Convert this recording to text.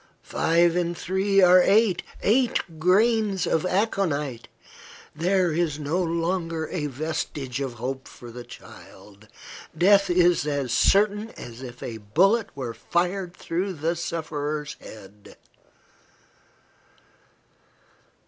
Five and three are eight. Eight grains of aconite! There is no longer a vestige of hope for the child. Death is as certain as if a bullet were fired through the sufferer's head."